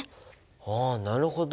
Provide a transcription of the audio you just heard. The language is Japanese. あなるほど。